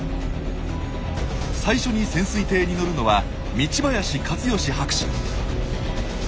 最初に潜水艇に乗るのは道林克禎博士。